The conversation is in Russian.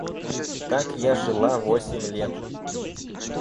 Так я жила восемь лет.